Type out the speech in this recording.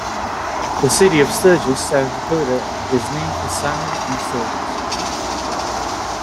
The city of Sturgis, South Dakota, is named for Samuel D. Sturgis.